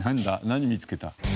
何見つけた？